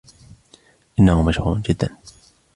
إنه مشهور جدا.